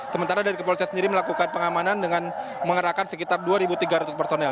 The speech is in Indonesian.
sementara dari kepolisian sendiri melakukan pengamanan dengan mengerahkan sekitar dua tiga ratus personel